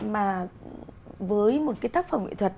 mà với một cái tác phẩm nghệ thuật